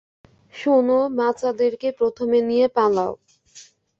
শোনো, বাঁচাদেরকে প্রথমে নিয়ে পালাও!